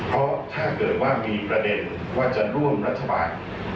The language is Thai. เพราะถ้าเกิดว่ามีประเด็นว่าจะร่วมรัฐบาล